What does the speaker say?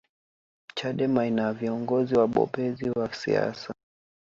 chadema ina viongozi wabobezi wa siasa